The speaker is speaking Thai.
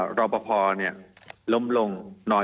มีความรู้สึกว่ามีความรู้สึกว่า